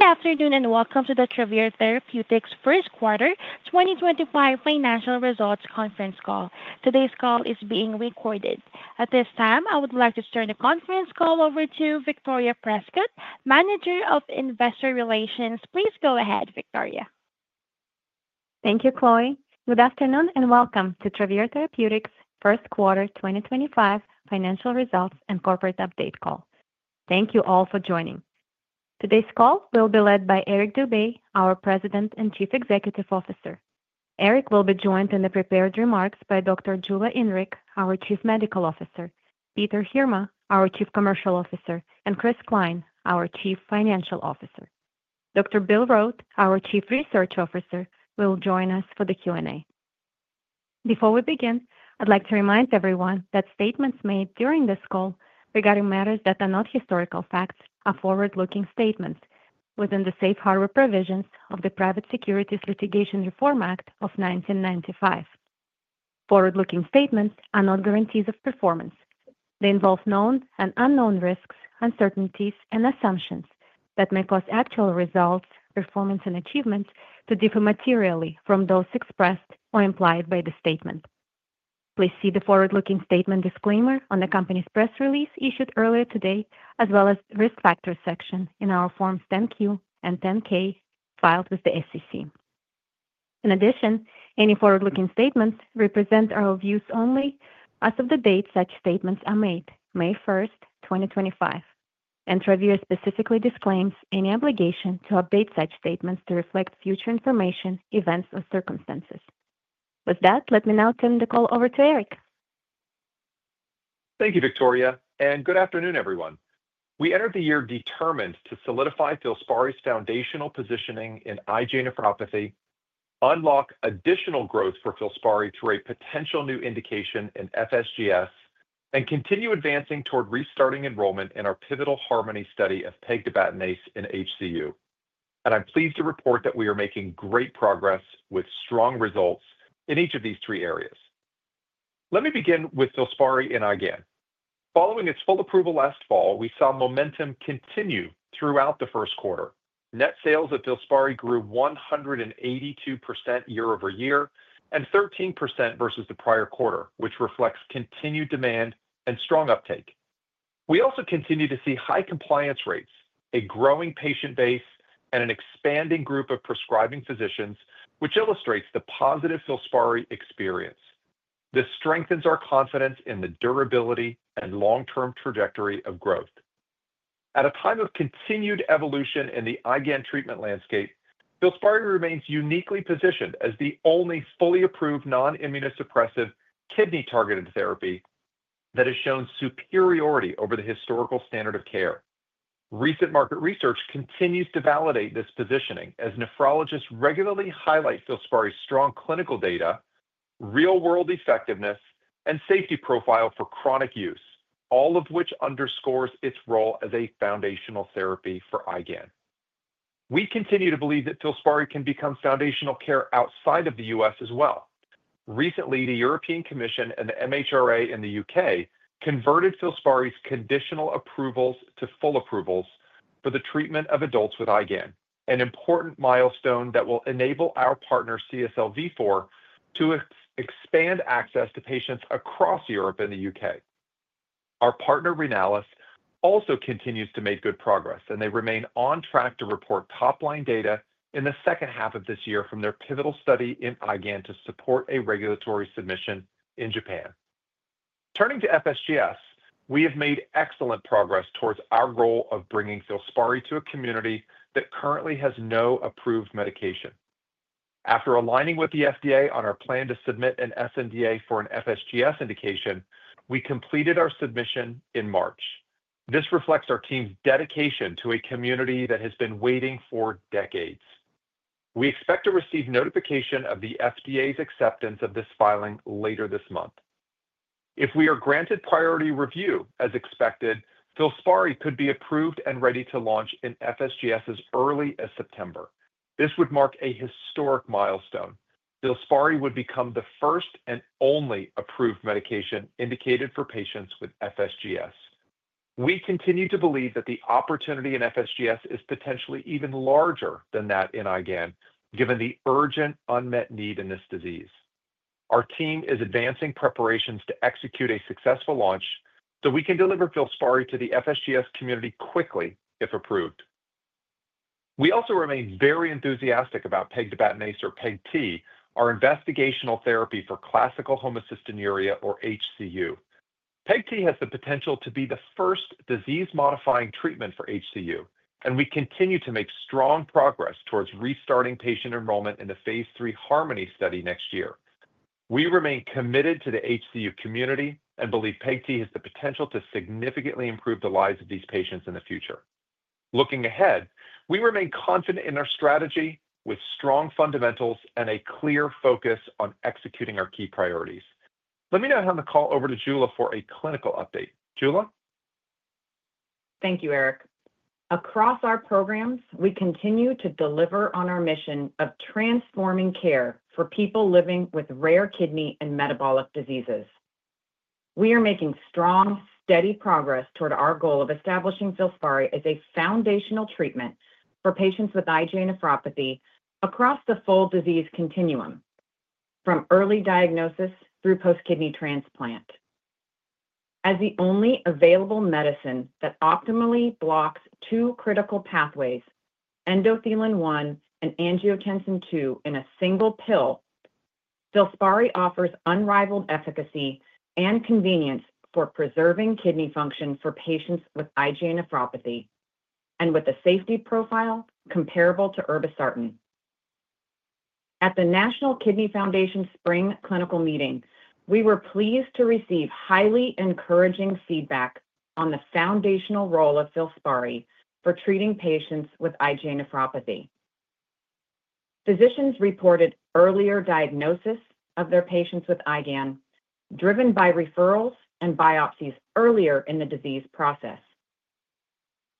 Good afternoon and welcome to the Travere Therapeutics first quarter 2025 financial results conference call. Today's call is being recorded. At this time, I would like to turn the conference call over to Victoria Prescott, Manager of Investor Relations. Please go ahead, Victoria. Thank you, Chloe. Good afternoon and welcome to Travere Therapeutics' First Quarter 2025 Financial Results and Corporate Update Call. Thank you all for joining. Today's call will be led by Eric Dube, our President and Chief Executive Officer. Eric will be joined in the prepared remarks by Dr. Jula Inrig, our Chief Medical Officer, Peter Heerma, our Chief Commercial Officer, and Chris Cline, our Chief Financial Officer. Dr. Bill Rote, our Chief Research Officer, will join us for the Q&A. Before we begin, I'd like to remind everyone that statements made during this call regarding matters that are not historical facts are forward-looking statements within the safe harbor provisions of the Private Securities Litigation Reform Act of 1995. Forward-looking statements are not guarantees of performance. They involve known and unknown risks, uncertainties, and assumptions that may cause actual results, performance, and achievements to differ materially from those expressed or implied by the statement. Please see the forward-looking statement disclaimer on the company's press release issued earlier today, as well as the risk factor section in our Forms 10Q and 10K filed with the SEC. In addition, any forward-looking statements represent our views only as of the date such statements are made, May 1st, 2025, and Travere specifically disclaims any obligation to update such statements to reflect future information, events, or circumstances. With that, let me now turn the call over to Eric. Thank you, Victoria, and good afternoon, everyone. We entered the year determined to solidify FILSPARI's foundational positioning in IgA nephropathy, unlock additional growth for FILSPARI through a potential new indication in FSGS, and continue advancing toward restarting enrollment in our pivotal HARMONY study of pegtibatinase in HCU. I'm pleased to report that we are making great progress with strong results in each of these three areas. Let me begin with FILSPARI in IgAN. Following its full approval last fall, we saw momentum continue throughout the first quarter. Net sales of FILSPARI grew 182% year-over-year and 13% versus the prior quarter, which reflects continued demand and strong uptake. We also continue to see high compliance rates, a growing patient base, and an expanding group of prescribing physicians, which illustrates the positive FILSPARI experience. This strengthens our confidence in the durability and long-term trajectory of growth. At a time of continued evolution in the IgAN treatment landscape, FILSPARI remains uniquely positioned as the only fully approved non-immunosuppressive kidney-targeted therapy that has shown superiority over the historical standard of care. Recent market research continues to validate this positioning as nephrologists regularly highlight FILSPARI's strong clinical data, real-world effectiveness, and safety profile for chronic use, all of which underscores its role as a foundational therapy for IgAN. We continue to believe that FILSPARI can become foundational care outside of the U.S. as well. Recently, the European Commission and the MHRA in the U.K. converted FILSPARI's conditional approvals to full approvals for the treatment of adults with IgAN, an important milestone that will enable our partner CSL Vifor to expand access to patients across Europe and the U.K. Our partner Viatris also continues to make good progress, and they remain on track to report top-line data in the second half of this year from their pivotal study in IgAN to support a regulatory submission in Japan. Turning to FSGS, we have made excellent progress towards our goal of bringing FILSPARI to a community that currently has no approved medication. After aligning with the FDA on our plan to submit an SNDA for an FSGS indication, we completed our submission in March. This reflects our team's dedication to a community that has been waiting for decades. We expect to receive notification of the FDA's acceptance of this filing later this month. If we are granted priority review, as expected, FILSPARI could be approved and ready to launch in FSGS as early as September. This would mark a historic milestone. FILSPARI would become the first and only approved medication indicated for patients with FSGS. We continue to believe that the opportunity in FSGS is potentially even larger than that in IgAN, given the urgent unmet need in this disease. Our team is advancing preparations to execute a successful launch so we can deliver FILSPARI to the FSGS community quickly if approved. We also remain very enthusiastic about pegtibatinase, or PEG-T, our investigational therapy for classical homocystinuria, or HCU. PEG-T has the potential to be the first disease-modifying treatment for HCU, and we continue to make strong progress towards restarting patient enrollment in the phase III HARMONY study next year. We remain committed to the HCU community and believe PEG-T has the potential to significantly improve the lives of these patients in the future. Looking ahead, we remain confident in our strategy with strong fundamentals and a clear focus on executing our key priorities. Let me now hand the call over to Jula for a clinical update. Jula? Thank you, Eric. Across our programs, we continue to deliver on our mission of transforming care for people living with rare kidney and metabolic diseases. We are making strong, steady progress toward our goal of establishing FILSPARI as a foundational treatment for patients with IgA nephropathy across the full disease continuum, from early diagnosis through post-kidney transplant. As the only available medicine that optimally blocks two critical pathways, endothelin-1 and angiotensin-II in a single pill, FILSPARI offers unrivaled efficacy and convenience for preserving kidney function for patients with IgA nephropathy and with a safety profile comparable to irbesartan. At the National Kidney Foundation Spring Clinical Meeting, we were pleased to receive highly encouraging feedback on the foundational role of FILSPARI for treating patients with IgA nephropathy. Physicians reported earlier diagnosis of their patients with IgAN, driven by referrals and biopsies earlier in the disease process.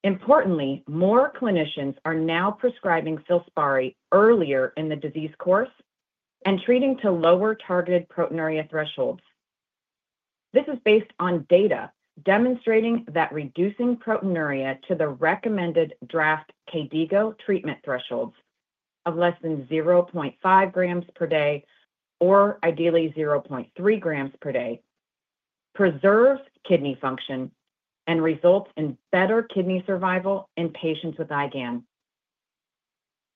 Importantly, more clinicians are now prescribing FILSPARI earlier in the disease course and treating to lower targeted proteinuria thresholds. This is based on data demonstrating that reducing proteinuria to the recommended draft KDIGO treatment thresholds of less than 0.5 g per day or ideally 0.3 g per day preserves kidney function and results in better kidney survival in patients with IgAN.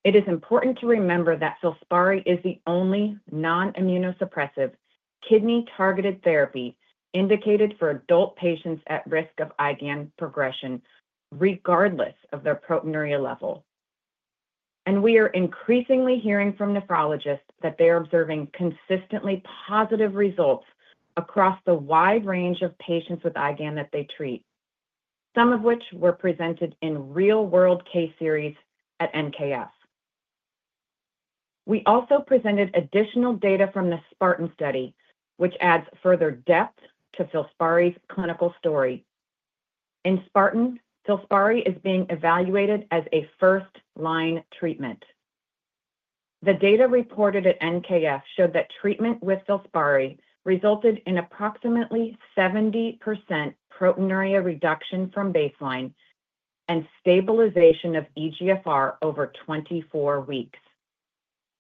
It is important to remember that FILSPARI is the only non-immunosuppressive kidney-targeted therapy indicated for adult patients at risk of IgAN progression, regardless of their proteinuria level. We are increasingly hearing from nephrologists that they are observing consistently positive results across the wide range of patients with IgAN that they treat, some of which were presented in real-world case series at NKF. We also presented additional data from the SPARTAN study, which adds further depth to FILSPARI's clinical story. In SPARTAN, FILSPARI is being evaluated as a first-line treatment. The data reported at NKF showed that treatment with FILSPARI resulted in approximately 70% proteinuria reduction from baseline and stabilization of eGFR over 24 weeks.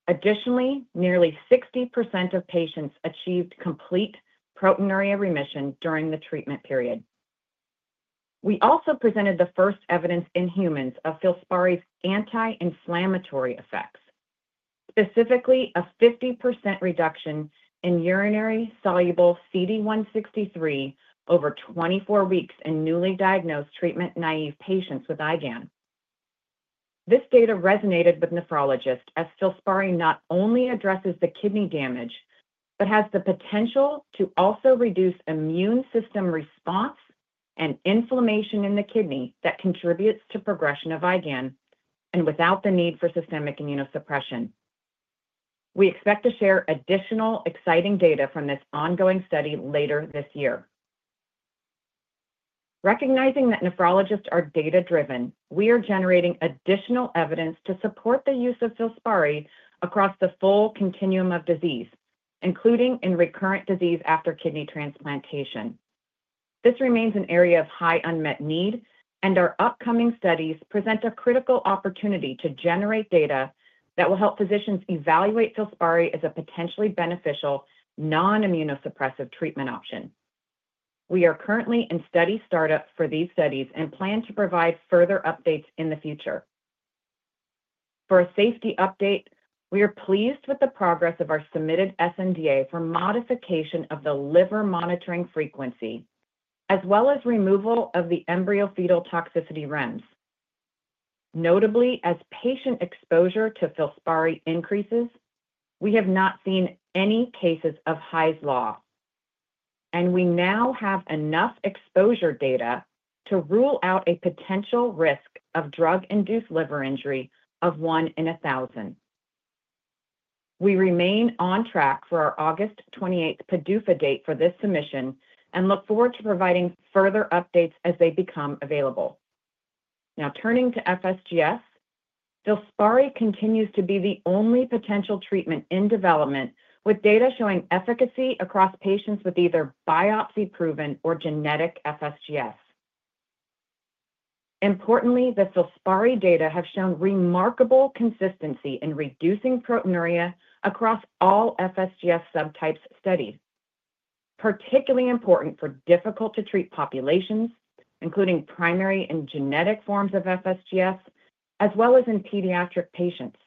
Additionally, nearly 60% of patients achieved complete proteinuria remission during the treatment period. We also presented the first evidence in humans of FILSPARI's anti-inflammatory effects, specifically a 50% reduction in urinary soluble CD163 over 24 weeks in newly diagnosed treatment-naive patients with IgAN. This data resonated with nephrologists as FILSPARI not only addresses the kidney damage but has the potential to also reduce immune system response and inflammation in the kidney that contributes to progression of IgAN and without the need for systemic immunosuppression. We expect to share additional exciting data from this ongoing study later this year. Recognizing that nephrologists are data-driven, we are generating additional evidence to support the use of FILSPARI across the full continuum of disease, including in recurrent disease after kidney transplantation. This remains an area of high unmet need, and our upcoming studies present a critical opportunity to generate data that will help physicians evaluate FILSPARI as a potentially beneficial non-immunosuppressive treatment option. We are currently in steady startup for these studies and plan to provide further updates in the future. For a safety update, we are pleased with the progress of our submitted SNDA for modification of the liver monitoring frequency, as well as removal of the embryofetal toxicity REMS. Notably, as patient exposure to FILSPARI increases, we have not seen any cases of Hy's law, and we now have enough exposure data to rule out a potential risk of drug-induced liver injury of 1 in 1,000. We remain on track for our August 28th PDUFA date for this submission and look forward to providing further updates as they become available. Now, turning to FSGS, FILSPARI continues to be the only potential treatment in development with data showing efficacy across patients with either biopsy-proven or genetic FSGS. Importantly, the FILSPARI data have shown remarkable consistency in reducing proteinuria across all FSGS subtypes studied, particularly important for difficult-to-treat populations, including primary and genetic forms of FSGS, as well as in pediatric patients.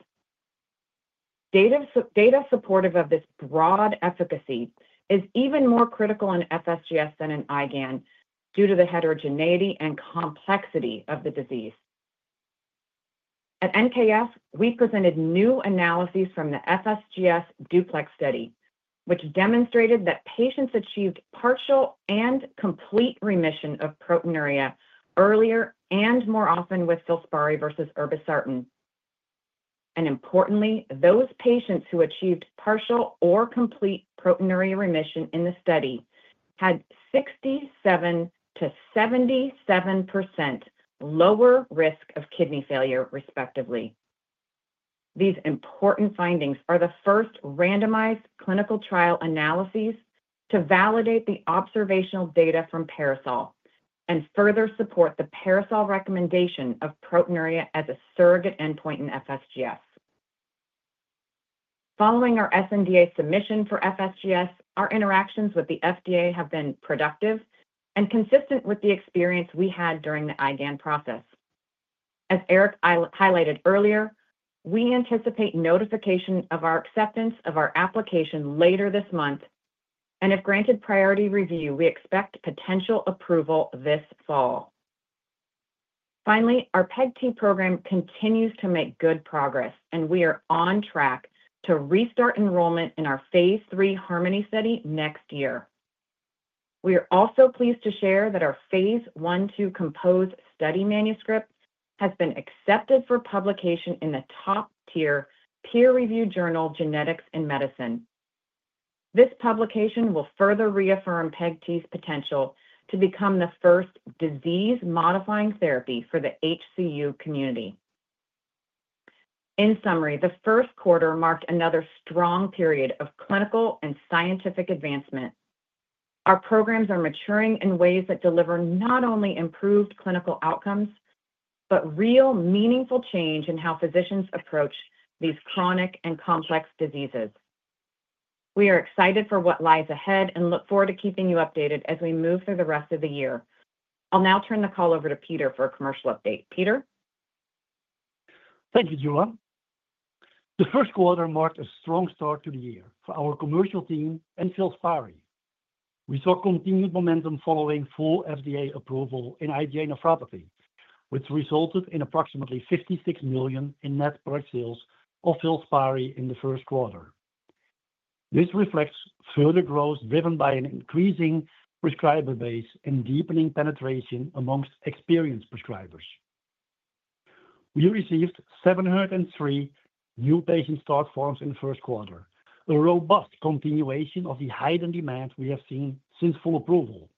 Data supportive of this broad efficacy is even more critical in FSGS than in IgAN due to the heterogeneity and complexity of the disease. At NKF, we presented new analyses from the FSGS DUPLEX study, which demonstrated that patients achieved partial and complete remission of proteinuria earlier and more often with FILSPARI versus irbesartan. Importantly, those patients who achieved partial or complete proteinuria remission in the study had 67%-77% lower risk of kidney failure, respectively. These important findings are the first randomized clinical trial analyses to validate the observational data from Parasol and further support the Parasol recommendation of proteinuria as a surrogate endpoint in FSGS. Following our SNDA submission for FSGS, our interactions with the FDA have been productive and consistent with the experience we had during the IgAN process. As Eric highlighted earlier, we anticipate notification of our acceptance of our application later this month, and if granted priority review, we expect potential approval this fall. Finally, our PEGT program continues to make good progress, and we are on track to restart enrollment in our phase III HARMONY study next year. We are also pleased to share that our phase I-II Compose study manuscript has been accepted for publication in the top-tier peer-reviewed journal Genetics and Medicine. This publication will further reaffirm PEG-T's potential to become the first disease-modifying therapy for the HCU community. In summary, the first quarter marked another strong period of clinical and scientific advancement. Our programs are maturing in ways that deliver not only improved clinical outcomes but real meaningful change in how physicians approach these chronic and complex diseases. We are excited for what lies ahead and look forward to keeping you updated as we move through the rest of the year. I'll now turn the call over to Peter for a commercial update. Peter? Thank you, Jula. The first quarter marked a strong start to the year for our commercial team and FILSPARI. We saw continued momentum following full FDA approval in IgA nephropathy, which resulted in approximately $56 million in net product sales of FILSPARI in the first quarter. This reflects further growth driven by an increasing prescriber base and deepening penetration amongst experienced prescribers. We received 703 new patient start forms in the first quarter, a robust continuation of the heightened demand we have seen since full approval.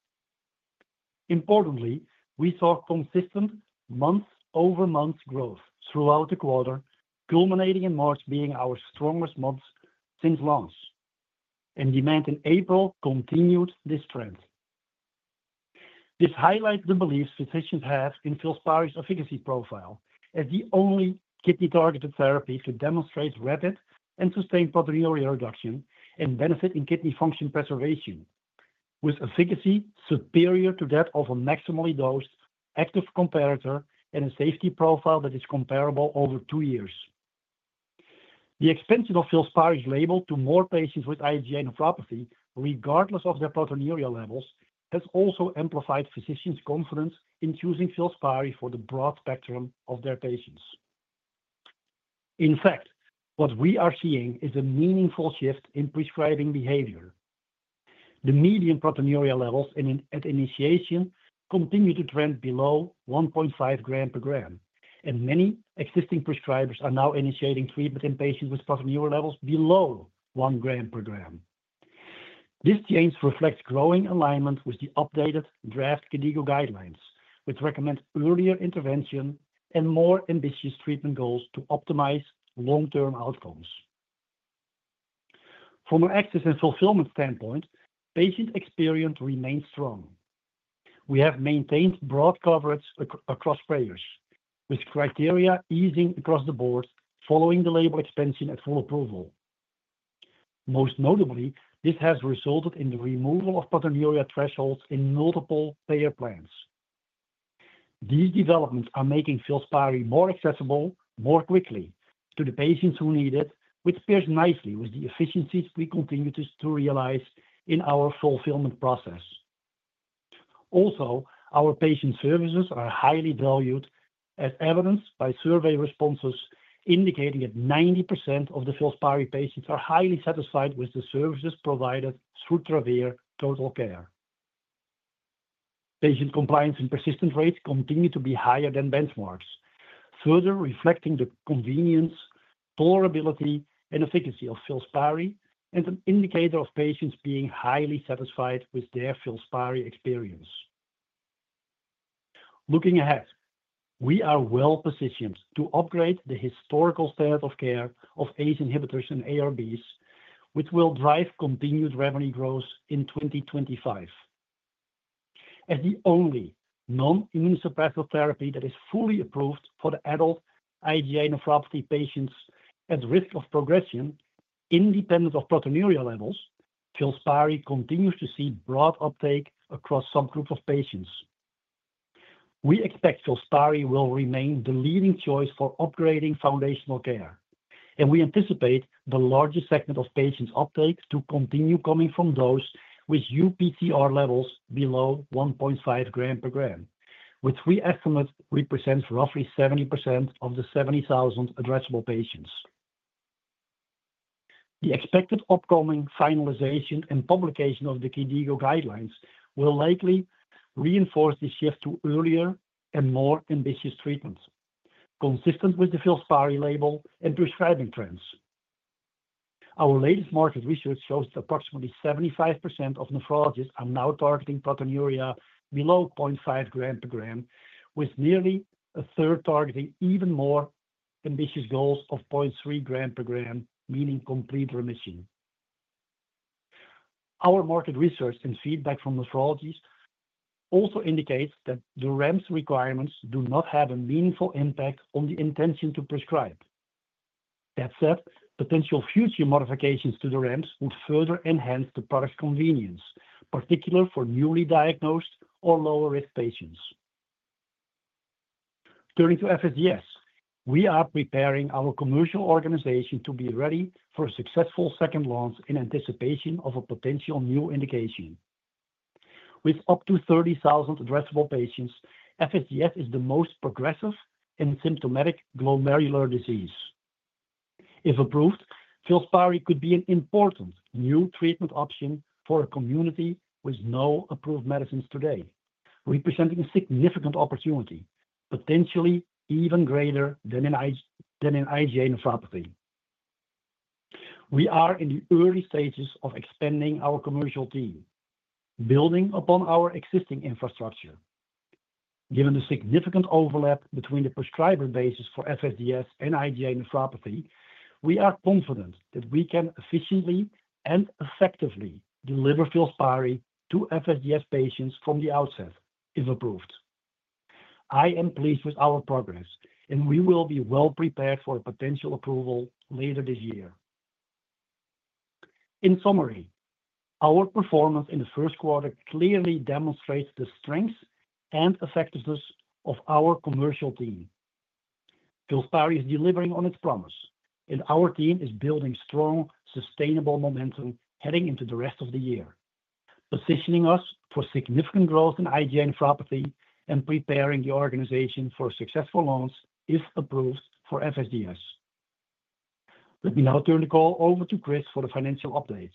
Importantly, we saw consistent month-over-month growth throughout the quarter, culminating in March being our strongest month since launch, and demand in April continued this trend. This highlights the beliefs physicians have in FILSPARI's efficacy profile as the only kidney-targeted therapy to demonstrate rapid and sustained proteinuria reduction and benefit in kidney function preservation, with efficacy superior to that of a maximally dosed active comparator and a safety profile that is comparable over two years. The expansion of FILSPARI's label to more patients with IgA nephropathy, regardless of their proteinuria levels, has also amplified physicians' confidence in choosing FILSPARI for the broad spectrum of their patients. In fact, what we are seeing is a meaningful shift in prescribing behavior. The median proteinuria levels at initiation continue to trend below 1.5 g/g, and many existing prescribers are now initiating treatment in patients with proteinuria levels below 1 g/g. This change reflects growing alignment with the updated draft KDIGO guidelines, which recommend earlier intervention and more ambitious treatment goals to optimize long-term outcomes. From an access and fulfillment standpoint, patient experience remains strong. We have maintained broad coverage across payers, with criteria easing across the board following the label expansion at full approval. Most notably, this has resulted in the removal of proteinuria thresholds in multiple payer plans. These developments are making FILSPARI more accessible more quickly to the patients who need it, which pairs nicely with the efficiencies we continue to realize in our fulfillment process. Also, our patient services are highly valued, as evidenced by survey responses indicating that 90% of the FILSPARI patients are highly satisfied with the services provided through Travere Total Care. Patient compliance and persistence rates continue to be higher than benchmarks, further reflecting the convenience, tolerability, and efficacy of FILSPARI and an indicator of patients being highly satisfied with their FILSPARI experience. Looking ahead, we are well positioned to upgrade the historical standard of care of ACE inhibitors and ARBs, which will drive continued revenue growth in 2025. As the only non-immunosuppressive therapy that is fully approved for the adult IgA nephropathy patients at risk of progression independent of proteinuria levels, FILSPARI continues to see broad uptake across subgroups of patients. We expect FILSPARI will remain the leading choice for upgrading foundational care, and we anticipate the largest segment of patients' uptake to continue coming from those with UPCR levels below 1.5 g/g, which we estimate represents roughly 70% of the 70,000 addressable patients. The expected upcoming finalization and publication of the KDIGO guidelines will likely reinforce the shift to earlier and more ambitious treatments, consistent with the FILSPARI label and prescribing trends. Our latest market research shows that approximately 75% of nephrologists are now targeting proteinuria below 0.5 g/g, with nearly a third targeting even more ambitious goals of 0.3 g/g, meaning complete remission. Our market research and feedback from nephrologists also indicates that the REMS requirements do not have a meaningful impact on the intention to prescribe. That said, potential future modifications to the REMS would further enhance the product's convenience, particularly for newly diagnosed or lower-risk patients. Turning to FSGS, we are preparing our commercial organization to be ready for a successful second launch in anticipation of a potential new indication. With up to 30,000 addressable patients, FSGS is the most progressive and symptomatic glomerular disease. If approved, FILSPARI could be an important new treatment option for a community with no approved medicines today, representing a significant opportunity, potentially even greater than in IgA nephropathy. We are in the early stages of expanding our commercial team, building upon our existing infrastructure. Given the significant overlap between the prescriber bases for FSGS and IgA nephropathy, we are confident that we can efficiently and effectively deliver FILSPARI to FSGS patients from the outset if approved. I am pleased with our progress, and we will be well prepared for a potential approval later this year. In summary, our performance in the first quarter clearly demonstrates the strength and effectiveness of our commercial team. FILSPARI is delivering on its promise, and our team is building strong, sustainable momentum heading into the rest of the year. Positioning us for significant growth in IgA nephropathy and preparing the organization for a successful launch if approved for FSGS. Let me now turn the call over to Chris for the financial update.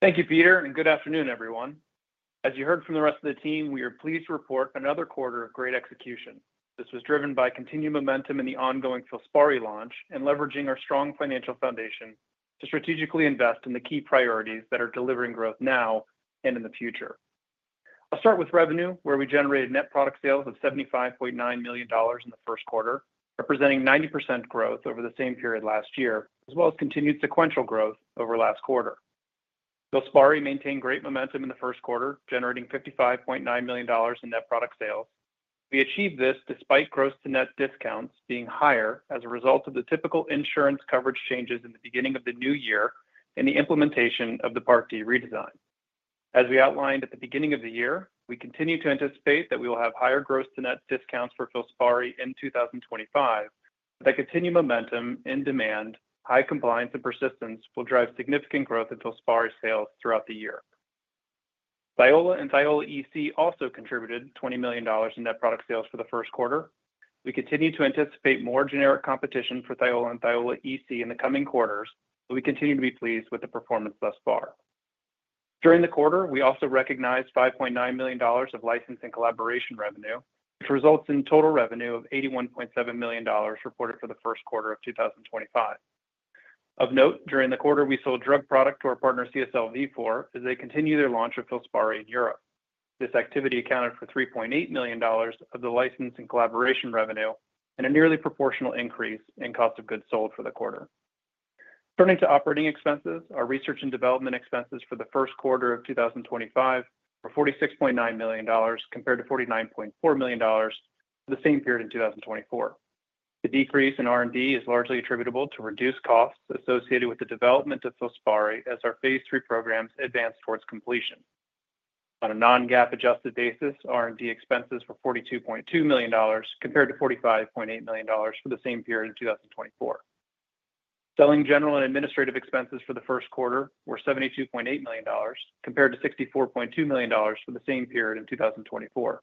Chris? Thank you, Peter, and good afternoon, everyone. As you heard from the rest of the team, we are pleased to report another quarter of great execution. This was driven by continued momentum in the ongoing FILSPARI launch and leveraging our strong financial foundation to strategically invest in the key priorities that are delivering growth now and in the future. I'll start with revenue, where we generated net product sales of $75.9 million in the first quarter, representing 90% growth over the same period last year, as well as continued sequential growth over last quarter. FILSPARI maintained great momentum in the first quarter, generating $55.9 million in net product sales. We achieved this despite gross-to-net discounts being higher as a result of the typical insurance coverage changes in the beginning of the new year and the implementation of the Part D redesign. As we outlined at the beginning of the year, we continue to anticipate that we will have higher gross-to-net discounts for FILSPARI in 2025, but that continued momentum in demand, high compliance, and persistence will drive significant growth in FILSPARI sales throughout the year. Thiola and Thiola EC also contributed $20 million in net product sales for the first quarter. We continue to anticipate more generic competition for Thiola and Thiola EC in the coming quarters, but we continue to be pleased with the performance thus far. During the quarter, we also recognized $5.9 million of license and collaboration revenue, which results in total revenue of $81.7 million reported for the first quarter of 2025. Of note, during the quarter, we sold drug product to our partner CSL Vifor as they continue their launch of FILSPARI in Europe. This activity accounted for $3.8 million of the license and collaboration revenue and a nearly proportional increase in cost of goods sold for the quarter. Turning to operating expenses, our research and development expenses for the first quarter of 2025 were $46.9 million, compared to $49.4 million for the same period in 2024. The decrease in R&D is largely attributable to reduced costs associated with the development of FILSPARI as our phase III programs advance towards completion. On a non-GAAP adjusted basis, R&D expenses were $42.2 million, compared to $45.8 million for the same period in 2024. Selling, general and administrative expenses for the first quarter were $72.8 million, compared to $64.2 million for the same period in 2024.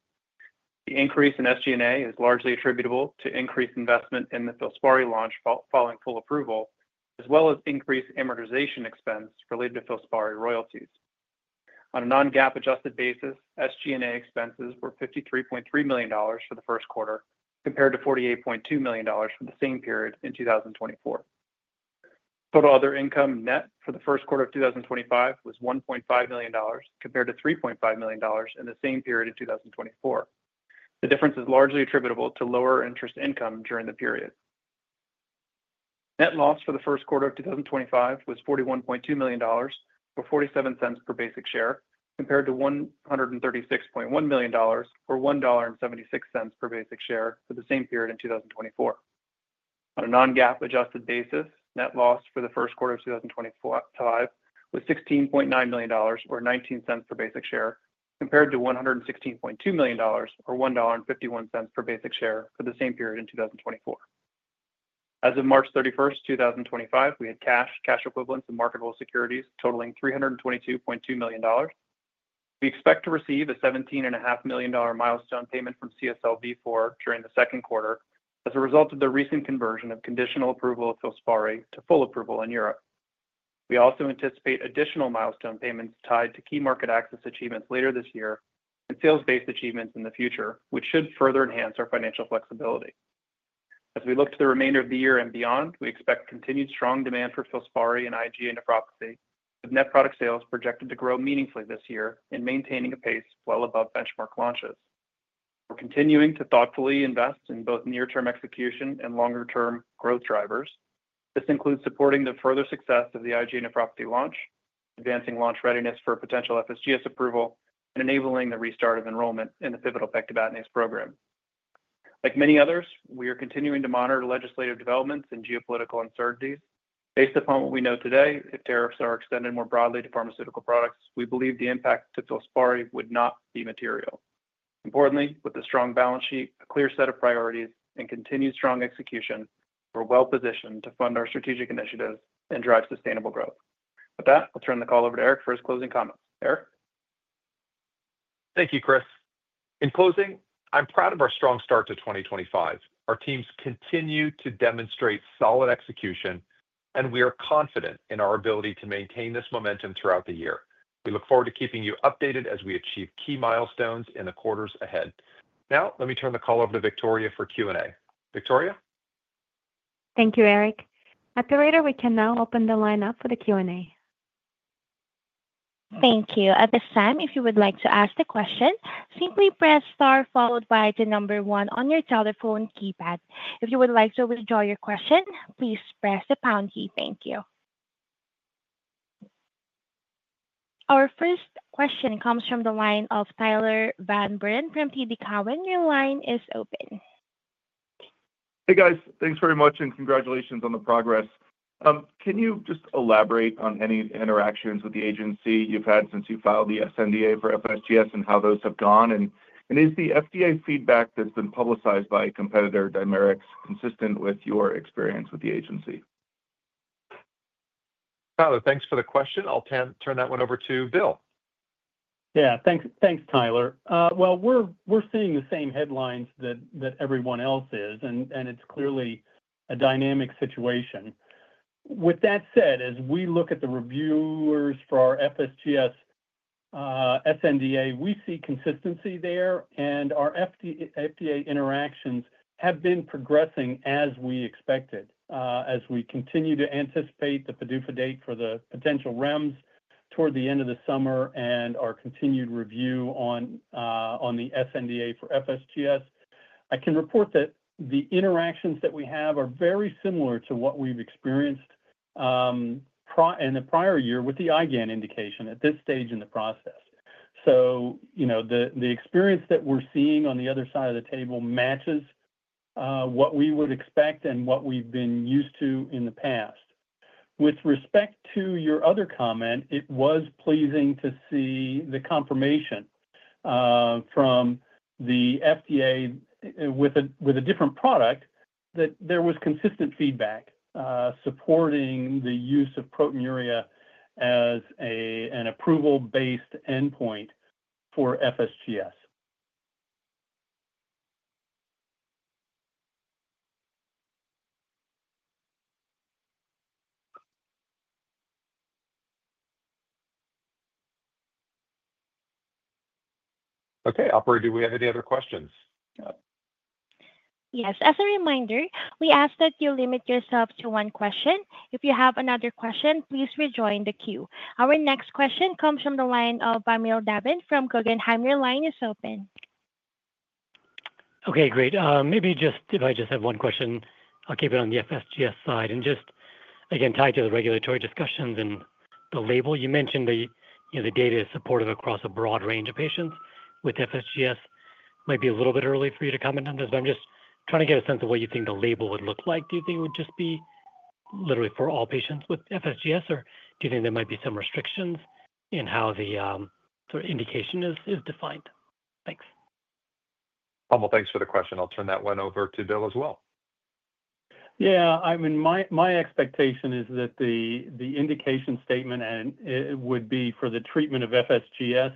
The increase in SG&A is largely attributable to increased investment in the FILSPARI launch following full approval, as well as increased amortization expense related to FILSPARI royalties. On a non-GAAP adjusted basis, SG&A expenses were $53.3 million for the first quarter, compared to $48.2 million for the same period in 2024. Total other income net for the first quarter of 2025 was $1.5 million, compared to $3.5 million in the same period in 2024. The difference is largely attributable to lower interest income during the period. Net loss for the first quarter of 2025 was $41.2 million or $0.47 per basic share, compared to $136.1 million or $1.76 per basic share for the same period in 2024. On a non-GAAP adjusted basis, net loss for the first quarter of 2025 was $16.9 million or $0.19 per basic share, compared to $116.2 million or $1.51 per basic share for the same period in 2024. As of March 31, 2025, we had cash, cash equivalents, and marketable securities totaling $322.2 million. We expect to receive a $17.5 million milestone payment from CSL Vifor during the second quarter as a result of the recent conversion of conditional approval of FILSPARI to full approval in Europe. We also anticipate additional milestone payments tied to key market access achievements later this year and sales-based achievements in the future, which should further enhance our financial flexibility. As we look to the remainder of the year and beyond, we expect continued strong demand for FILSPARI in IgA nephropathy, with net product sales projected to grow meaningfully this year and maintaining a pace well above benchmark launches. We're continuing to thoughtfully invest in both near-term execution and longer-term growth drivers. This includes supporting the further success of the IgA nephropathy launch, advancing launch readiness for potential FSGS approval, and enabling the restart of enrollment in the pivotal pegtibatinase program. Like many others, we are continuing to monitor legislative developments and geopolitical uncertainties. Based upon what we know today, if tariffs are extended more broadly to pharmaceutical products, we believe the impact to FILSPARI would not be material. Importantly, with a strong balance sheet, a clear set of priorities, and continued strong execution, we're well positioned to fund our strategic initiatives and drive sustainable growth. With that, I'll turn the call over to Eric for his closing comments. Eric? Thank you, Chris. In closing, I'm proud of our strong start to 2025. Our teams continue to demonstrate solid execution, and we are confident in our ability to maintain this momentum throughout the year. We look forward to keeping you updated as we achieve key milestones in the quarters ahead. Now, let me turn the call over to Victoria for Q&A. Victoria? Thank you, Eric. At this rate, we can now open the line up for the Q&A. Thank you. At this time, if you would like to ask a question, simply press star followed by the number one on your telephone keypad. If you would like to withdraw your question, please press the pound key. Thank you. Our first question comes from the line of Tyler Van Buren from TD Cowen. Your line is open. Hey, guys. Thanks very much and congratulations on the progress. Can you just elaborate on any interactions with the agency you've had since you filed the SNDA for FSGS and how those have gone? Is the FDA feedback that's been publicized by competitor Dimerix consistent with your experience with the agency? Tyler, thanks for the question. I'll turn that one over to Bill. Yeah, thanks, Tyler. We're seeing the same headlines that everyone else is, and it's clearly a dynamic situation. With that said, as we look at the reviewers for our FSGS SNDA, we see consistency there, and our FDA interactions have been progressing as we expected, as we continue to anticipate the PDUFA date for the potential REMS toward the end of the summer and our continued review on the SNDA for FSGS. I can report that the interactions that we have are very similar to what we've experienced in the prior year with the IgAN indication at this stage in the process. The experience that we're seeing on the other side of the table matches what we would expect and what we've been used to in the past. With respect to your other comment, it was pleasing to see the confirmation from the FDA with a different product that there was consistent feedback supporting the use of proteinuria as an approval-based endpoint for FSGS. Okay. Operator, do we have any other questions? Yes. As a reminder, we ask that you limit yourself to one question. If you have another question, please rejoin the queue. Our next question comes from the line of Varmiel Daven from Guggenheim. Your line is open. Okay, great. Maybe just if I just have one question, I'll keep it on the FSGS side and just, again, tie to the regulatory discussions and the label you mentioned. The data is supportive across a broad range of patients with FSGS. It might be a little bit early for you to comment on this, but I'm just trying to get a sense of what you think the label would look like. Do you think it would just be literally for all patients with FSGS, or do you think there might be some restrictions in how the sort of indication is defined? Thanks. Vamil, thanks for the question. I'll turn that one over to Bill as well. Yeah. I mean, my expectation is that the indication statement would be for the treatment of FSGS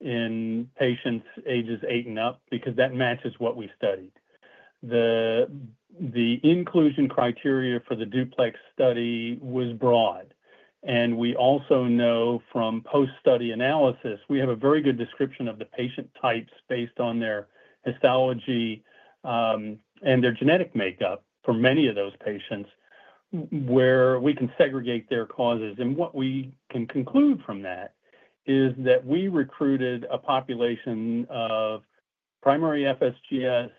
in patients ages 8 and up because that matches what we studied. The inclusion criteria for the DUPLEX study was broad. We also know from post-study analysis, we have a very good description of the patient types based on their histology and their genetic makeup for many of those patients, where we can segregate their causes. What we can conclude from that is that we recruited a population of primary FSGS,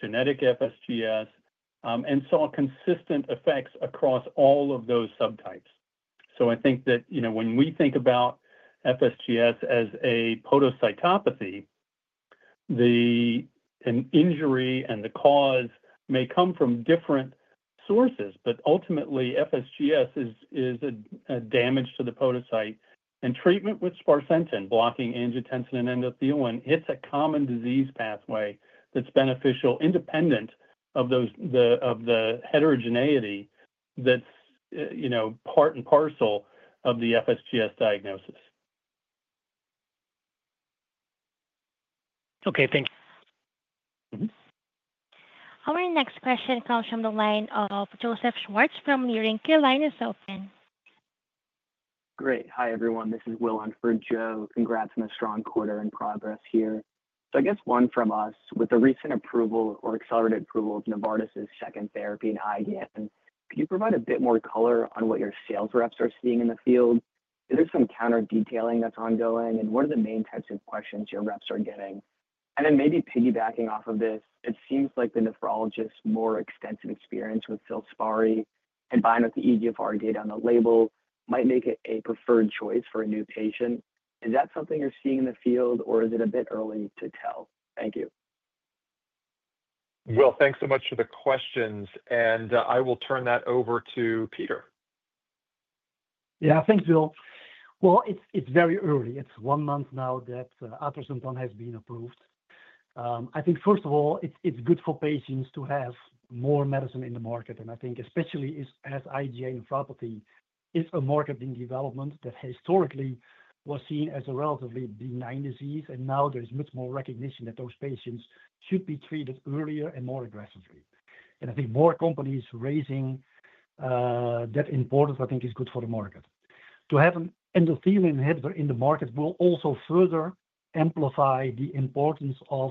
genetic FSGS, and saw consistent effects across all of those subtypes. I think that when we think about FSGS as a podocytopathy, the injury and the cause may come from different sources, but ultimately, FSGS is a damage to the podocyte. Treatment with sparsentan, blocking angiotensin and endothelin, is a common disease pathway that is beneficial independent of the heterogeneity that is part and parcel of the FSGS diagnosis. Okay, thank you. Our next question comes from the line of Joseph Schwartz from Leerink. Your line is open. Great. Hi, everyone. This is Will on for Joe. Congrats on a strong quarter in progress here. I guess one from us, with the recent approval or accelerated approval of Novartis's second therapy in IgAN, can you provide a bit more color on what your sales reps are seeing in the field? Is there some counter-detailing that's ongoing? What are the main types of questions your reps are getting? Maybe piggybacking off of this, it seems like the nephrologists' more extensive experience with FILSPARI and buying with the eGFR data on the label might make it a preferred choice for a new patient. Is that something you're seeing in the field, or is it a bit early to tell? Thank you. Will, thanks so much for the questions. I will turn that over to Peter. Yeah, thanks, Will. It's very early. It's one month now that Atrasentan has been approved. I think, first of all, it's good for patients to have more medicine in the market. I think, especially as IgA nephropathy is a market in development that historically was seen as a relatively benign disease, and now there's much more recognition that those patients should be treated earlier and more aggressively. I think more companies raising that importance is good for the market. To have an endothelin inhibitor in the market will also further amplify the importance of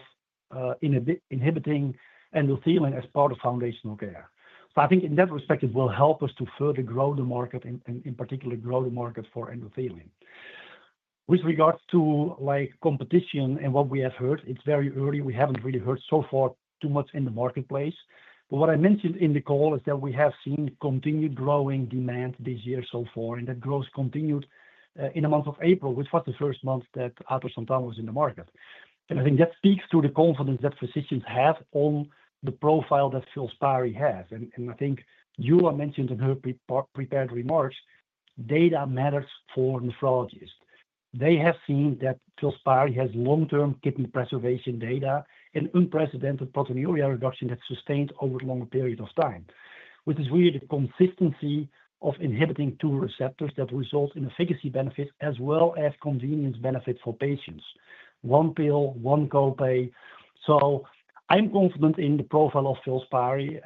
inhibiting endothelin as part of foundational care. I think in that respect, it will help us to further grow the market and, in particular, grow the market for endothelin. With regards to competition and what we have heard, it's very early. We haven't really heard so far too much in the marketplace. What I mentioned in the call is that we have seen continued growing demand this year so far, and that growth continued in the month of April, which was the first month that FILSPARI was in the market. I think that speaks to the confidence that physicians have on the profile that FILSPARI has. I think Jula mentioned in her prepared remarks, data matters for nephrologists. They have seen that FILSPARI has long-term kidney preservation data and unprecedented proteinuria reduction that's sustained over a long period of time, which is really the consistency of inhibiting two receptors that results in efficacy benefits as well as convenience benefits for patients. One pill, one copay. I'm confident in the profile of FILSPARI.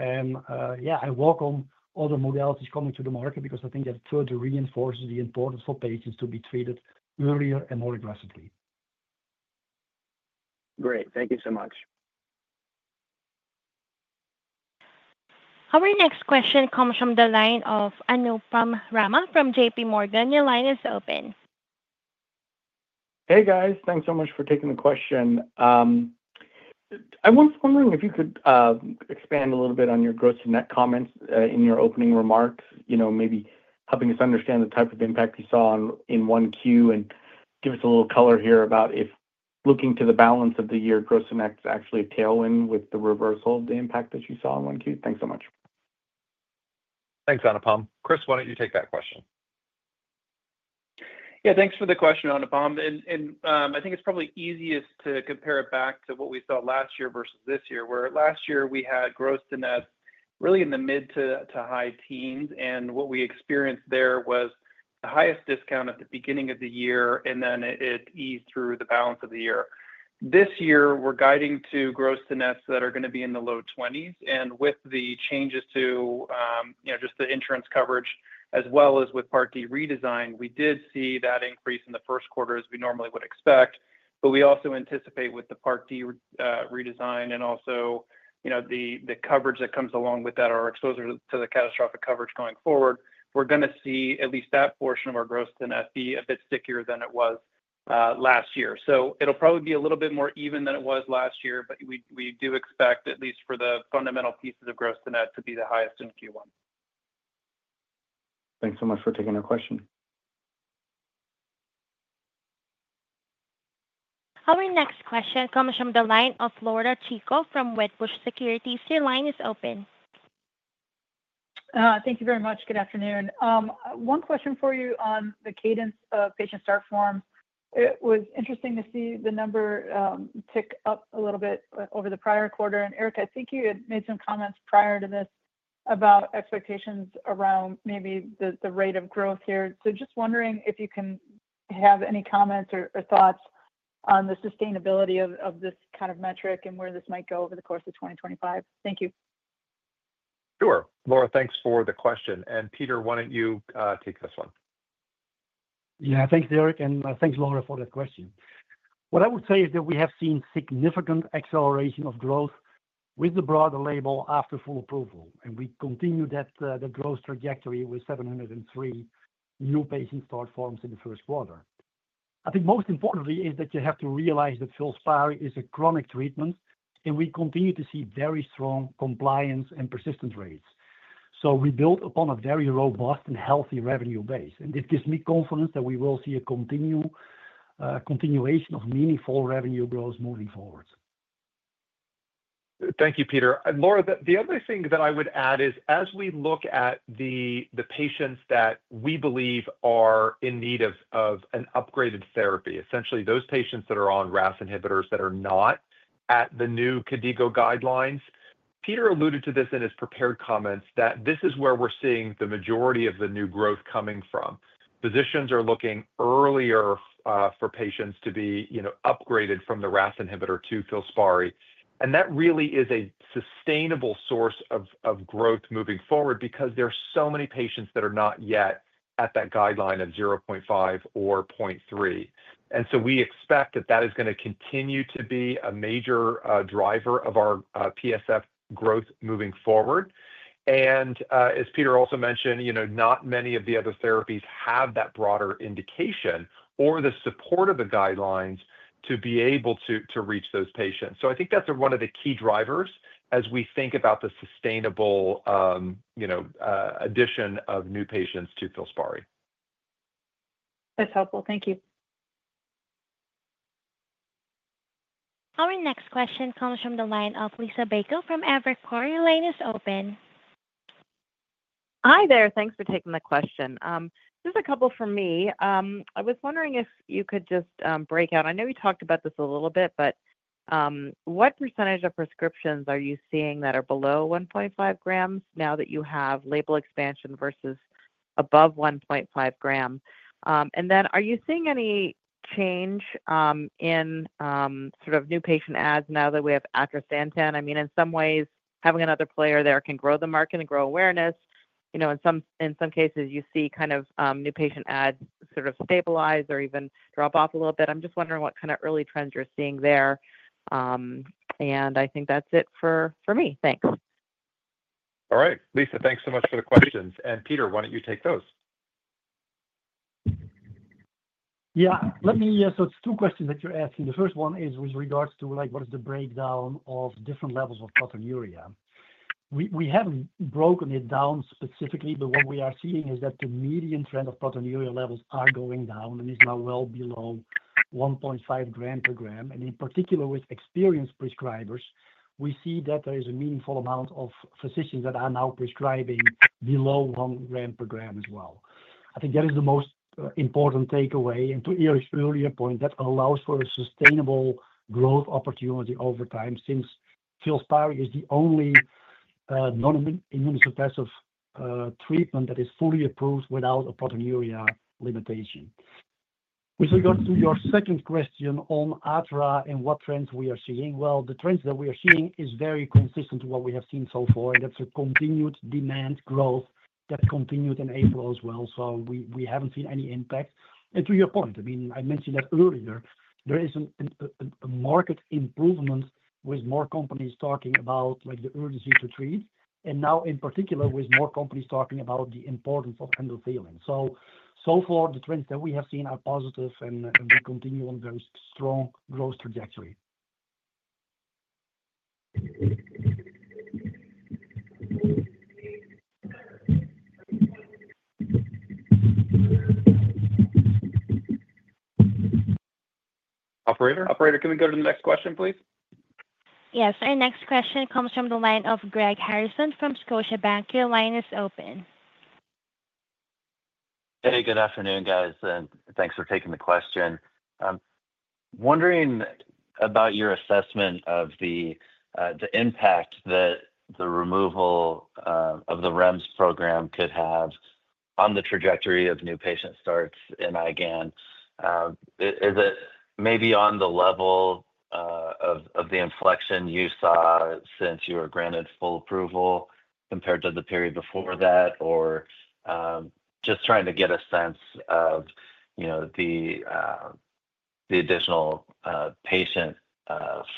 Yeah, I welcome other modalities coming to the market because I think that further reinforces the importance for patients to be treated earlier and more aggressively. Great. Thank you so much. Our next question comes from the line of Anupam Rama from JPMorgan. Your line is open. Hey, guys. Thanks so much for taking the question. I was wondering if you could expand a little bit on your gross and net comments in your opening remarks, maybe helping us understand the type of impact you saw in Q1 and give us a little color here about if looking to the balance of the year, gross and net is actually a tailwind with the reversal of the impact that you saw in Q1. Thanks so much. Thanks, Anupam. Chris, why don't you take that question? Yeah, thanks for the question, Anupam. I think it's probably easiest to compare it back to what we saw last year versus this year, where last year we had gross to net really in the mid to high teens. What we experienced there was the highest discount at the beginning of the year, and then it eased through the balance of the year. This year, we're guiding to gross to nets that are going to be in the low 20s. With the changes to just the insurance coverage as well as with Part D redesign, we did see that increase in the first quarter as we normally would expect. We also anticipate with the Part D redesign and also the coverage that comes along with that, our exposure to the catastrophic coverage going forward, we're going to see at least that portion of our gross to net be a bit stickier than it was last year. It will probably be a little bit more even than it was last year, but we do expect, at least for the fundamental pieces of gross to net, to be the highest in Q1. Thanks so much for taking our question. Our next question comes from the line of Laura Chico from Wedbush Securities. Your line is open. Thank you very much. Good afternoon. One question for you on the cadence of patient start forms. It was interesting to see the number tick up a little bit over the prior quarter. Eric, I think you had made some comments prior to this about expectations around maybe the rate of growth here. Just wondering if you can have any comments or thoughts on the sustainability of this kind of metric and where this might go over the course of 2025. Thank you. Sure. Laura, thanks for the question. Peter, why don't you take this one? Yeah, thanks, Eric. Thanks, Laura, for that question. What I would say is that we have seen significant acceleration of growth with the broader label after full approval. We continue that growth trajectory with 703 new patient start forms in the first quarter. I think most importantly is that you have to realize that FILSPARI is a chronic treatment, and we continue to see very strong compliance and persistence rates. We build upon a very robust and healthy revenue base. This gives me confidence that we will see a continuation of meaningful revenue growth moving forward. Thank you, Peter. Laura, the other thing that I would add is, as we look at the patients that we believe are in need of an upgraded therapy, essentially those patients that are on RAS inhibitors that are not at the new KDIGO guidelines, Peter alluded to this in his prepared comments that this is where we're seeing the majority of the new growth coming from. Physicians are looking earlier for patients to be upgraded from the RAS inhibitor to FILSPARI. That really is a sustainable source of growth moving forward because there are so many patients that are not yet at that guideline of 0.5 or 0.3. We expect that that is going to continue to be a major driver of our PSF growth moving forward. As Peter also mentioned, not many of the other therapies have that broader indication or the support of the guidelines to be able to reach those patients. I think that's one of the key drivers as we think about the sustainable addition of new patients to FILSPARI. That's helpful. Thank you. Our next question comes from the line of Lisa Baker from Evercore. Your line is open. Hi there. Thanks for taking the question. Just a couple for me. I was wondering if you could just break out. I know you talked about this a little bit, but what % of prescriptions are you seeing that are below 1.5 g now that you have label expansion versus above 1.5 g? Are you seeing any change in sort of new patient ads now that we have atrasentan? I mean, in some ways, having another player there can grow the market and grow awareness. In some cases, you see kind of new patient ads sort of stabilize or even drop off a little bit. I'm just wondering what kind of early trends you're seeing there. I think that's it for me. Thanks. All right. Lisa, thanks so much for the questions. Peter, why don't you take those? Yeah. It is two questions that you're asking. The first one is with regards to what is the breakdown of different levels of proteinuria. We haven't broken it down specifically, but what we are seeing is that the median trend of proteinuria levels are going down and is now well below 1.5 g/g. In particular, with experienced prescribers, we see that there is a meaningful amount of physicians that are now prescribing below 1 g/g as well. I think that is the most important takeaway. To Eric's earlier point, that allows for a sustainable growth opportunity over time since FILSPARI is the only non-immunosuppressive treatment that is fully approved without a proteinuria limitation. With regards to your second question on and what trends we are seeing, the trends that we are seeing is very consistent to what we have seen so far. That's a continued demand growth that continued in April as well. We haven't seen any impact. To your point, I mean, I mentioned that earlier, there is a market improvement with more companies talking about the urgency to treat and now, in particular, with more companies talking about the importance of endothelin. So far, the trends that we have seen are positive, and we continue on a very strong growth trajectory. Operator, can we go to the next question, please? Yes. Our next question comes from the line of Greg Harrison from Scotiabank. Your line is open. Hey, good afternoon, guys. Thanks for taking the question. Wondering about your assessment of the impact that the removal of the REMS program could have on the trajectory of new patient starts in IgAN. Is it maybe on the level of the inflection you saw since you were granted full approval compared to the period before that, or just trying to get a sense of the additional patient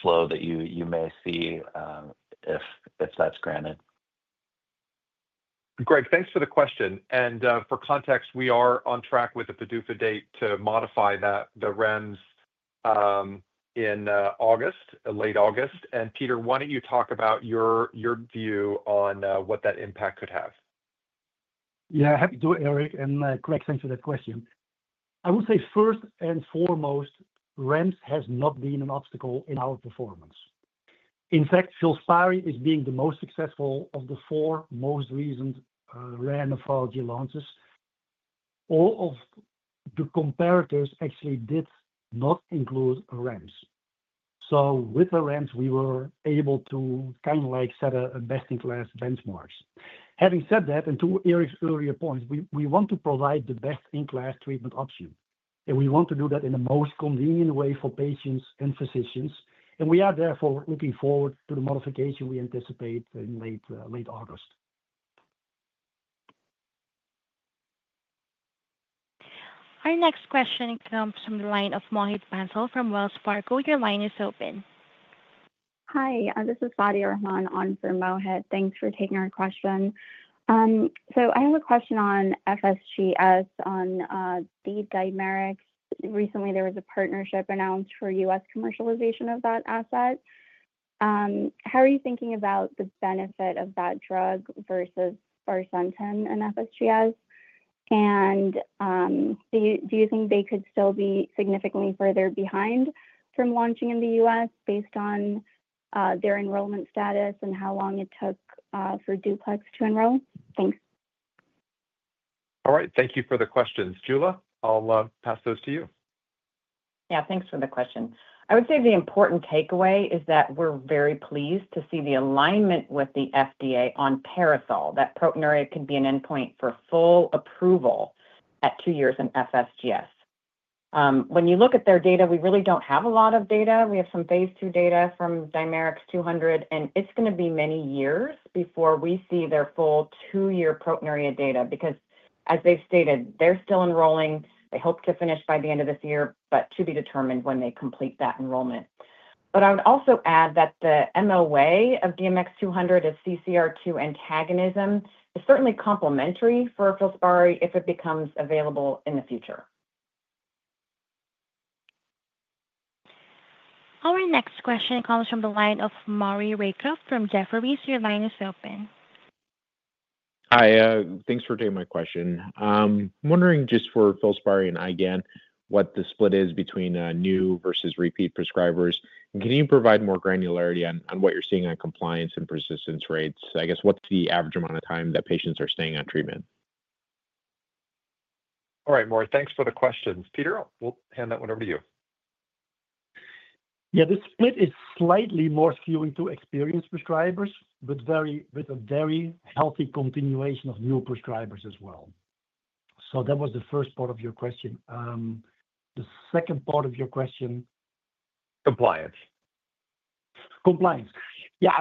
flow that you may see if that's granted? Greg, thanks for the question. For context, we are on track with the PDUFA date to modify the REMS in August, late August. Peter, why don't you talk about your view on what that impact could have? Yeah, happy to do it, Eric. And Greg, thanks for that question. I would say first and foremost, REMS has not been an obstacle in our performance. In fact, FILSPARI is being the most successful of the four most recent rare nephrology launches. All of the comparators actually did not include REMS. With the REMS, we were able to kind of set a best-in-class benchmark. Having said that, and to Eric's earlier point, we want to provide the best-in-class treatment option. We want to do that in the most convenient way for patients and physicians. We are therefore looking forward to the modification we anticipate in late August. Our next question comes from the line of Mohit Bansal from Wells Fargo. Your line is open. Hi, this is Fadia Rahman on for Mohit. Thanks for taking our question. I have a question on FSGS on the DMX. Recently, there was a partnership announced for U.S. commercialization of that asset. How are you thinking about the benefit of that drug versus atrasentan and FSGS? Do you think they could still be significantly further behind from launching in the U.S. based on their enrollment status and how long it took for DUPLEX to enroll? Thanks. All right. Thank you for the questions. Jula, I'll pass those to you. Yeah, thanks for the question. I would say the important takeaway is that we're very pleased to see the alignment with the FDA on Paracel, that proteinuria can be an endpoint for full approval at two years in FSGS. When you look at their data, we really don't have a lot of data. We have some phase two data from DMX-200, and it's going to be many years before we see their full two-year proteinuria data because, as they've stated, they're still enrolling. They hope to finish by the end of this year, to be determined when they complete that enrollment. I would also add that the MOA of DMX-200 is CCR2 antagonism. It's certainly complementary for FILSPARI if it becomes available in the future. Our next question comes from the line of Mari Rekha from Jefferies. Your line is open. Hi. Thanks for taking my question. I'm wondering just for FILSPARI and IgAN what the split is between new versus repeat prescribers. Can you provide more granularity on what you're seeing on compliance and persistence rates? I guess what's the average amount of time that patients are staying on treatment? All right, Maura. Thanks for the questions. Peter, we'll hand that one over to you. Yeah, the split is slightly more skewing to experienced prescribers, but with a very healthy continuation of new prescribers as well. That was the first part of your question. The second part of your question. Compliance. Compliance. Yeah,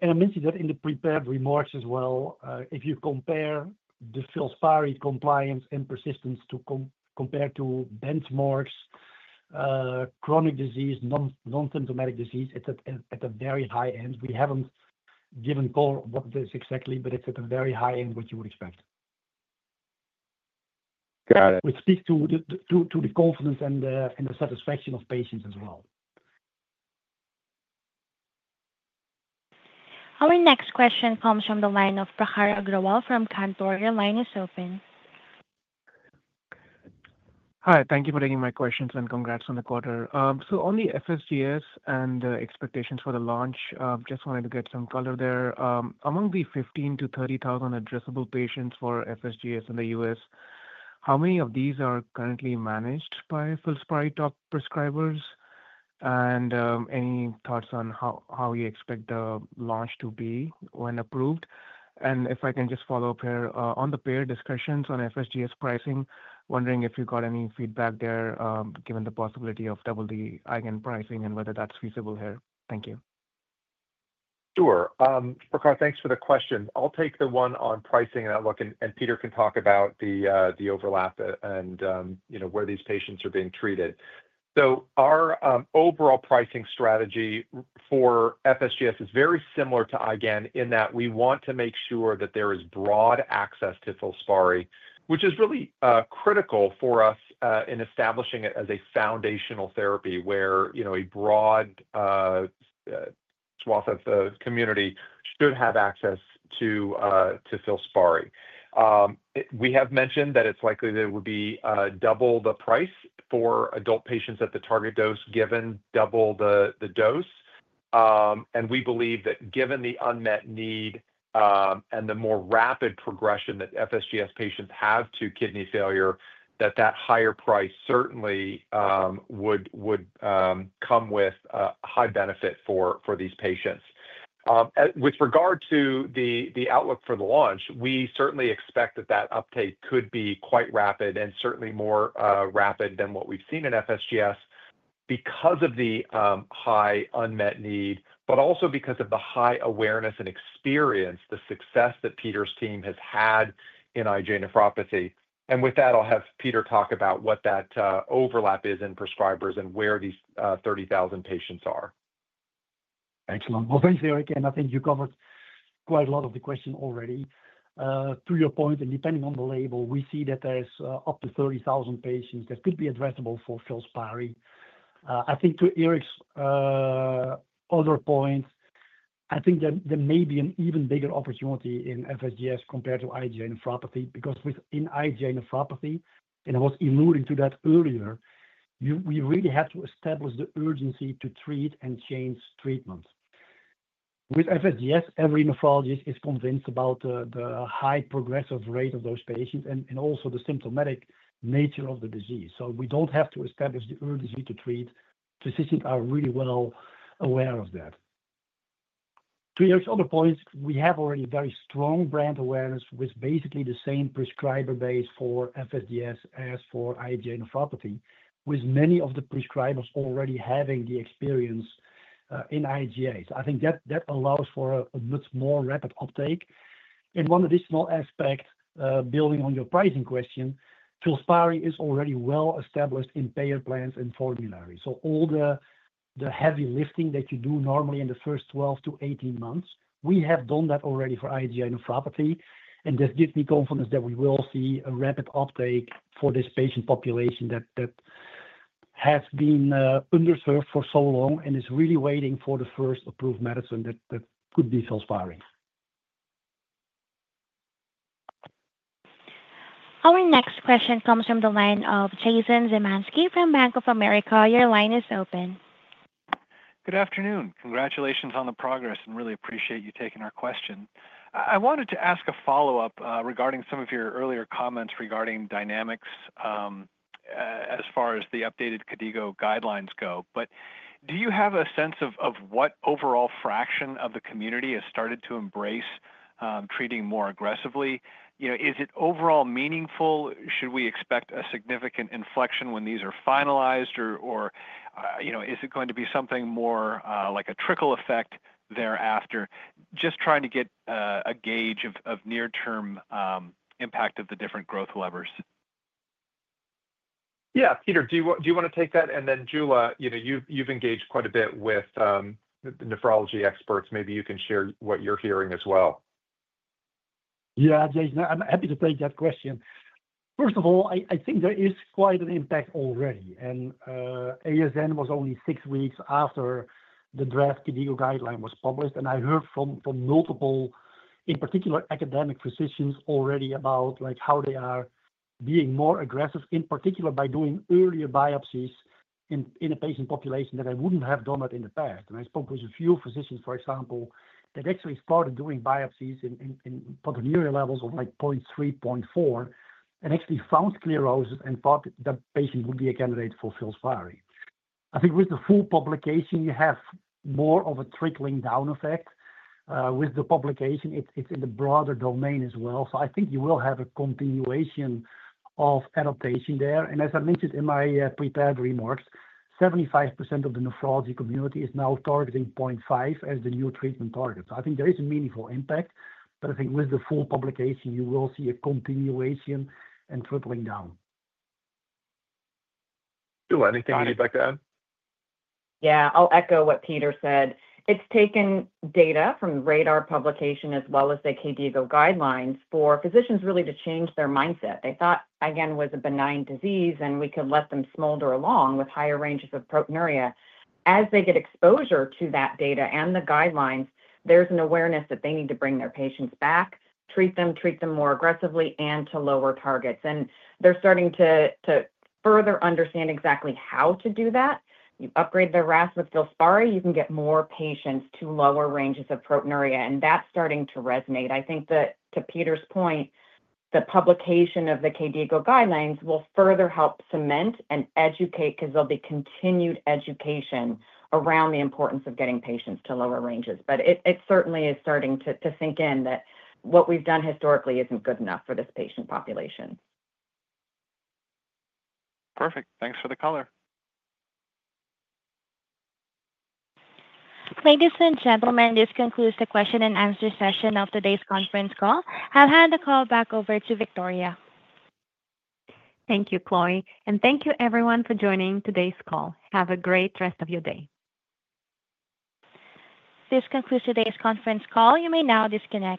I mentioned that in the prepared remarks as well. If you compare the FILSPARI compliance and persistence to compare to benchmarks, chronic disease, non-symptomatic disease, it's at a very high end. We haven't given call what this is exactly, but it's at a very high end, which you would expect. Got it. Which speaks to the confidence and the satisfaction of patients as well. Our next question comes from the line of Prahar Agrawal from Kantoria. Line is open. Hi. Thank you for taking my questions and congrats on the quarter. On the FSGS and the expectations for the launch, just wanted to get some color there. Among the 15,000-30,000 addressable patients for FSGS in the U.S., how many of these are currently managed by FILSPARI top prescribers? Any thoughts on how you expect the launch to be when approved? If I can just follow up here, on the payer discussions on FSGS pricing, wondering if you got any feedback there given the possibility of double the IgAN pricing and whether that's feasible here. Thank you. Sure. Prahar, thanks for the question. I'll take the one on pricing and outlook, and Peter can talk about the overlap and where these patients are being treated. Our overall pricing strategy for FSGS is very similar to IgAN in that we want to make sure that there is broad access to FILSPARI, which is really critical for us in establishing it as a foundational therapy where a broad swath of the community should have access to FILSPARI. We have mentioned that it's likely that it would be double the price for adult patients at the target dose given double the dose. We believe that given the unmet need and the more rapid progression that FSGS patients have to kidney failure, that that higher price certainly would come with a high benefit for these patients. With regard to the outlook for the launch, we certainly expect that that uptake could be quite rapid and certainly more rapid than what we've seen in FSGS because of the high unmet need, but also because of the high awareness and experience, the success that Peter's team has had in IgA nephropathy. With that, I'll have Peter talk about what that overlap is in prescribers and where these 30,000 patients are. Excellent. Thanks, Eric. I think you covered quite a lot of the questions already. To your point, and depending on the label, we see that there are up to 30,000 patients that could be addressable for FILSPARI. I think to Eric's other point, I think there may be an even bigger opportunity in FSGS compared to IgA nephropathy because within IgA nephropathy, and I was alluding to that earlier, we really have to establish the urgency to treat and change treatment. With FSGS, every nephrologist is convinced about the high progressive rate of those patients and also the symptomatic nature of the disease. We do not have to establish the urgency to treat. Physicians are really well aware of that. To Eric's other point, we have already very strong brand awareness with basically the same prescriber base for FSGS as for IgA nephropathy, with many of the prescribers already having the experience in IgAs. I think that allows for a much more rapid uptake. One additional aspect, building on your pricing question, FILSPARI is already well established in payer plans and formulary. All the heavy lifting that you do normally in the first 12-18 months, we have done that already for IgA nephropathy. This gives me confidence that we will see a rapid uptake for this patient population that has been underserved for so long and is really waiting for the first approved medicine that could be FILSPARI. Our next question comes from the line of Jason Zemanski from Bank of America. Your line is open. Good afternoon. Congratulations on the progress, and really appreciate you taking our question. I wanted to ask a follow-up regarding some of your earlier comments regarding dynamics as far as the updated KDIGO guidelines go. Do you have a sense of what overall fraction of the community has started to embrace treating more aggressively? Is it overall meaningful? Should we expect a significant inflection when these are finalized, or is it going to be something more like a trickle effect thereafter? Just trying to get a gauge of near-term impact of the different growth levers. Yeah. Peter, do you want to take that? Jula, you've engaged quite a bit with the nephrology experts. Maybe you can share what you're hearing as well. Yeah, Jason, I'm happy to take that question. First of all, I think there is quite an impact already. ASN was only six weeks after the draft KDIGO guideline was published. I heard from multiple, in particular, academic physicians already about how they are being more aggressive, in particular by doing earlier biopsies in a patient population that I wouldn't have done that in the past. I spoke with a few physicians, for example, that actually started doing biopsies in proteinuria levels of 0.3, 0.4, and actually found sclerosis and thought that patient would be a candidate for FILSPARI. I think with the full publication, you have more of a trickling down effect. With the publication, it's in the broader domain as well. I think you will have a continuation of adaptation there. As I mentioned in my prepared remarks, 75% of the nephrology community is now targeting 0.5 as the new treatment target. I think there is a meaningful impact, but I think with the full publication, you will see a continuation and trickling down. Jula, anything you'd like to add? Yeah, I'll echo what Peter said. It's taken data from the RADAR publication as well as the KDIGO guidelines for physicians really to change their mindset. They thought IgAN was a benign disease and we could let them smolder along with higher ranges of proteinuria. As they get exposure to that data and the guidelines, there's an awareness that they need to bring their patients back, treat them, treat them more aggressively, and to lower targets. They're starting to further understand exactly how to do that. You upgrade the RAS with FILSPARI, you can get more patients to lower ranges of proteinuria. That's starting to resonate. I think that to Peter's point, the publication of the KDIGO guidelines will further help cement and educate because there'll be continued education around the importance of getting patients to lower ranges. It certainly is starting to sink in that what we've done historically isn't good enough for this patient population. Perfect. Thanks for the color. Ladies and gentlemen, this concludes the question and answer session of today's conference call. I'll hand the call back over to Victoria. Thank you, Chloe. Thank you, everyone, for joining today's call. Have a great rest of your day. This concludes today's conference call. You may now disconnect.